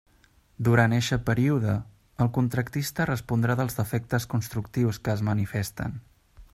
Durant eixe període, el contractista respondrà dels defectes constructius que es manifesten.